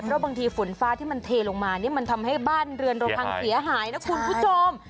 เพราะบางทีฝุ่นฟ้าที่มันเทลงมามันทำให้บ้านเรือนทางเสียหายนะครูจม